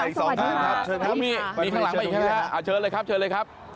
หมอบอ๊ะมีข้างหลังมาอีกครับเชิญเลย